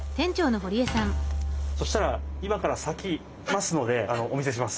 そしたら今からさきますのでお見せします。